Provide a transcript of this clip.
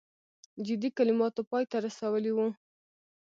جدي کلماتو پای ته رسولی وو.